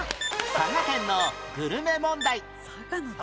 佐賀県のグルメ問題